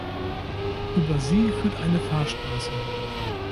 Über sie führt eine Fahrstraße.